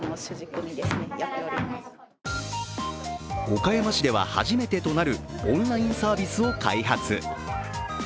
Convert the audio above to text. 岡山市では初めてとなるオンラインサービスを開発。